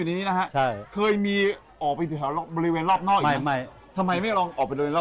นี่คือต้นกระสังนะนับไปเจ็ดเก้าแล้วครับมาน้องนับตรงนี้นะ